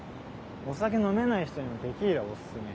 お酒飲めない人にテキーラおすすめ。